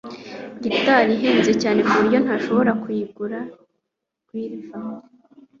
gitari ihenze cyane kuburyo ntashobora kuyigura gulliver